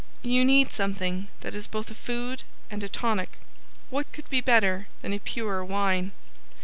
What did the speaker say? You need something that is both a food and a tonic. What could be better than a Pure Wine?